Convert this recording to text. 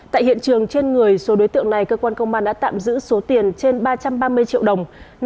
tại hiện trường trên người số đối tượng này cơ quan công an đã tạm giữ số tiền trên ba trăm ba mươi triệu đồng